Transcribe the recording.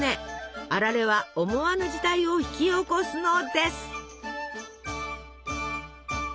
あられは思わぬ事態を引き起こすのです。